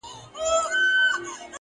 هغه وايي يو درد مي د وزير پر مخ گنډلی ـ